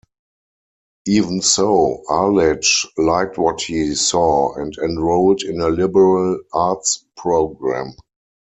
Even so, Arledge liked what he saw and enrolled in a liberal-arts program.